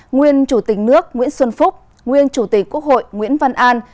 nguyên chủ tịch nước nguyễn xuân phúc nguyên chủ tịch quốc hội nguyễn văn an